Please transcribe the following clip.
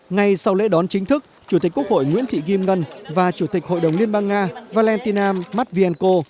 ngay sau lễ đón chính thức chủ tịch quốc hội nguyễn thị kim ngân và chủ tịch hội đồng liên bang nga valentina matvienko